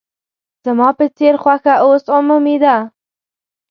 زما په څېر خوښه اوس عمومي ده.